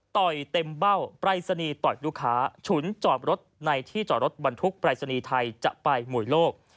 เต็มเบ้าปรายศนีย์ต่อยลูกค้าฉุนจอดรถในที่จอดรถบรรทุกปรายศนีย์ไทยจะไปหมุยโลก